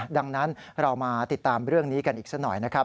ดังนั้นเรามาติดตามเรื่องนี้กันอีกสักหน่อยนะครับ